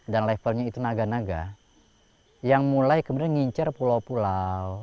dan levelnya itu naga naga yang mulai kemudian ngincar pulau pulau